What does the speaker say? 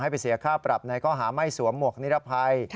ไปเสียค่าปรับในข้อหาไม่สวมหมวกนิรภัย